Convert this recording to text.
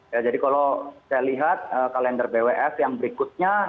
ya jadi kalau saya lihat kalender bwf yang berikutnya